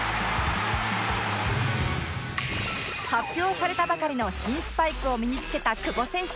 発表されたばかりの新スパイクを身につけた久保選手